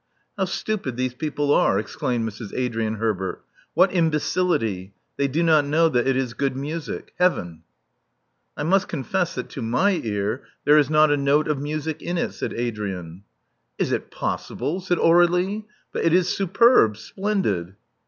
*'How stupid these people are!*' exclaimed Mrs. Adrian Herbert. What imbecility! They do not know that it is good music. Heaven! I must confess that, to my ear, there is not a note of music in it, said Adrian. Is it possible!*' said Aur^lie. But it is superb! Splendid!